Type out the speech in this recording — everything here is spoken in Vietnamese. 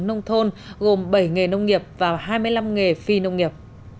nông thôn gồm bảy nghề nông nghiệp và hai mươi năm nghề phi nông nghiệp